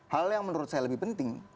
hal yang menurut saya lebih penting